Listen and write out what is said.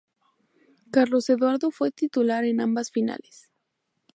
Carlos Eduardo fue titular en ambas finales.